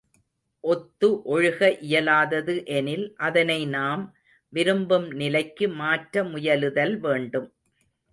ஒத்து ஒழுக இயலாதது எனில் அதனை நாம் விரும்பும் நிலைக்கு மாற்ற முயலுதல் வேண்டும்.